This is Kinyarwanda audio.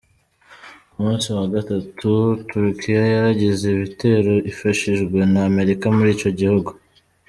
Ku musi wa gatatu, Turkia yaragize ibitero ifashijwe na Amerika muri ico gihugu.